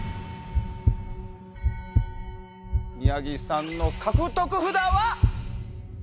宮城さんの獲得札は。